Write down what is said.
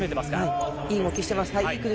いい動きしてます。